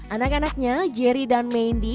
anak anaknya jerry dan mandi